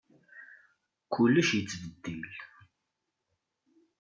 Kullec yettbeddil.